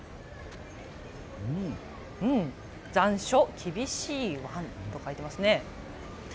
残暑厳しいワンと書いていますね。